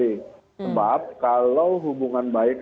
sebab kalau hubungan baik